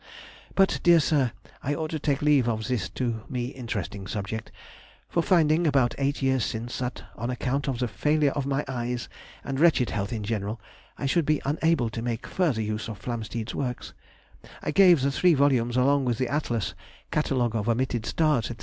But, dear Sir, I ought to take leave of this to me interesting subject; for finding, about eight years since, that, on account of the failure of my eyes and wretched health in general, I should be unable to make further use of Flamsteed's works, I gave the three volumes, along with the Atlas, Catalogue of Omitted Stars, &c.